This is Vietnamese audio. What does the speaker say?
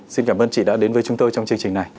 xin cảm ơn chị đã đến với chúng tôi trong chương trình này